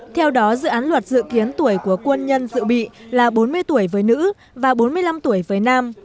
theo đó dự án luật dự kiến tuổi của quân nhân dự bị là bốn mươi tuổi với nữ và bốn mươi năm tuổi với nam